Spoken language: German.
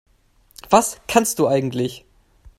Was kannst du eigentlich?